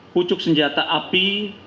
pucuk senjata api